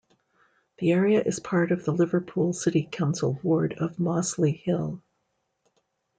The area is part of the Liverpool City Council Ward of Mossley Hill.